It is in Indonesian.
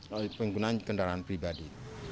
dan juga untuk menekan kendaraan pribadi